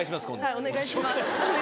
はいお願いします。